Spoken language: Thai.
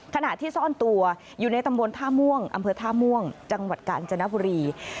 ขณะที่ซ่อนตัวอยู่ในตำบลท่าม่วงอำเภอท่าม่วงจังหวัดกาญจนบุรี